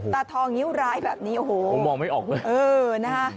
ตาทองนิ้วร้ายแบบนี้โอ้โหผมมองไม่ออกเลยเออนะฮะ